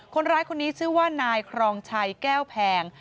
คนร้ายคนนี้ชื่อว่านายครองชัยแก้วแพง